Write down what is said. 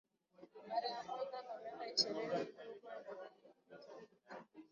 mara ya kwanza kwa miaka ishirini juma lililopita